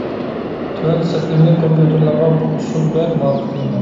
تۆۋەن سەپلىمىلىك كومپيۇتېرلارغا بۇ ئۇسۇل بەك مۇۋاپىق كېلىدۇ.